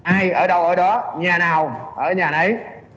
ai ở đâu ở đó nhà nào ở nhà ấy